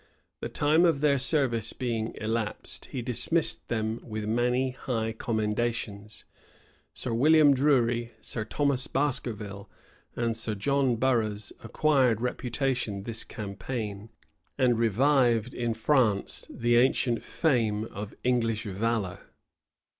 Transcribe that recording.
The time of their service being elapsed, he dismissed them with many high commendations. Sir William Drury, Sir Thomas Baskerville, and Sir John Boroughs acquired reputation this campaign, and revived in France the ancient fame of English valor.